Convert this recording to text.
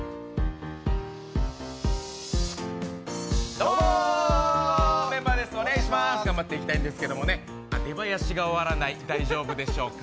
どうも、メンバーです、頑張っていただきたいんですけど出囃子が終わらない、大丈夫でしょうか。